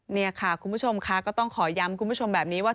นี่ค่ะคุณผู้ชมค่ะก็ต้องขอย้ำคุณผู้ชมแบบนี้ว่า